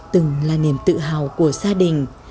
từng là niềm tự hào của gia đình